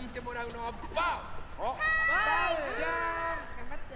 がんばって！